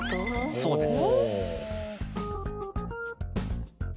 そうです。